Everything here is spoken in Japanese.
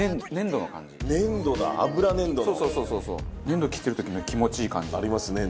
粘土切ってる時の気持ちいい感じ。ありますね。